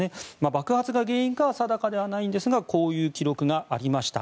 爆発が原因かは定かではないんですがこういう記録がありました。